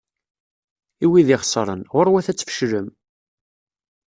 I wid ixesren, ɣur-wat ad tfeclem!